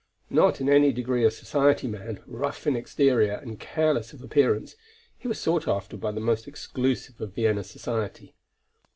Not in any degree a society man, rough in exterior and careless of appearance, he was sought after by the most exclusive of Vienna society.